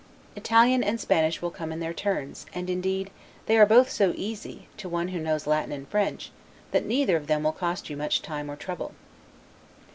Italian and Spanish will come in their turns, and, indeed, they are both so easy, to one who knows Latin and French, that neither of them will cost you much time or trouble.